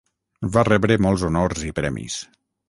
Va rebre molts honors i premis.